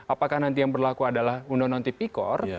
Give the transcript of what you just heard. apakah nanti yang berlaku adalah undang undang tipikor